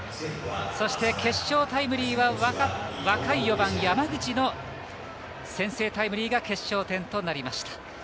そして決勝タイムリーは若い４番山口の先制タイムリーが決勝点となりました。